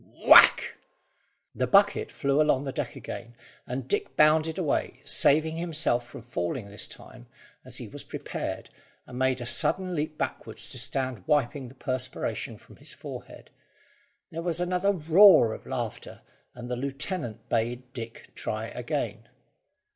Whack! The bucket flew along the deck again, and Dick bounded away, saving himself from falling this time as he was prepared, and made a sudden leap backwards to stand wiping the perspiration from his forehead. There was another roar of laughter, and the lieutenant bade Dick try again.